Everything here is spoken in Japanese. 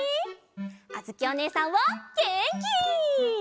あづきおねえさんはげんき！